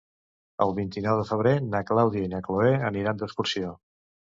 El vint-i-nou de febrer na Clàudia i na Cloè aniran d'excursió.